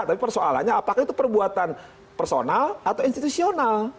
tapi persoalannya apakah itu perbuatan personal atau institusional